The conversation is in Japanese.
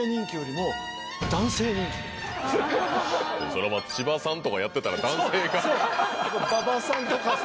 そら千葉さんとかやってたら男性が。